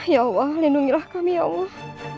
ya allah lindungilah kami ya allah